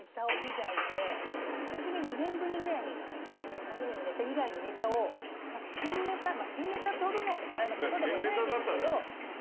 久しぶりに２年ぶりぐらいにバブルのネタ以外のネタを新ネタ新ネタってほどのことでもないんですけど。